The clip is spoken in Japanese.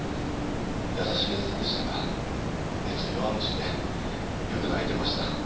優しい奴でしたがあいつは弱虫でよく泣いてました。